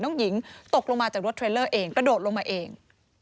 น้องหญิงตกลงมาจากรถเทรลเลอร์เองกระโดดลงมาเอง